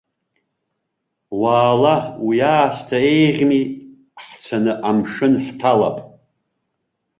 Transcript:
Уаала уи аасҭа еиӷьми, ҳцаны амшын ҳҭалап.